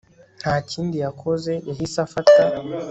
ntakindi yakoze yahise afata